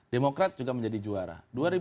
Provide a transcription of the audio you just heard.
demokrat juga menjadi juara